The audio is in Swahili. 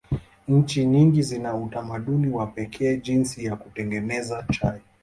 Nchi nyingi zina utamaduni wa pekee jinsi ya kutengeneza chai.